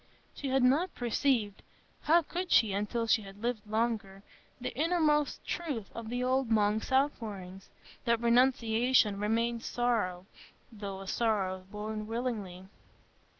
She had not perceived—how could she until she had lived longer?—the inmost truth of the old monk's out pourings, that renunciation remains sorrow, though a sorrow borne willingly.